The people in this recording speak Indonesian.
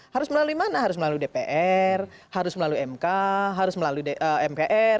harus melalui mana harus melalui dpr harus melalui mk harus melalui mpr